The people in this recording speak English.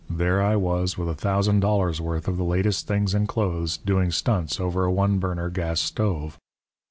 There I was, with a thousand dollars' worth of the latest things in clothes, doing stunts over a one burner gas stove.